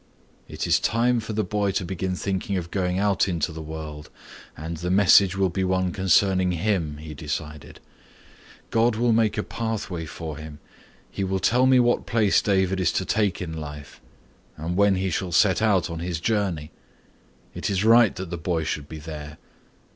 "It is time for the boy to begin thinking of going out into the world and the message will be one concerning him," he decided. "God will make a pathway for him. He will tell me what place David is to take in life and when he shall set out on his journey. It is right that the boy should be there.